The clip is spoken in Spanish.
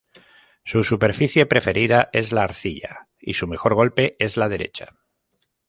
Su superficie preferida es la arcilla, y su mejor golpe es la derecha.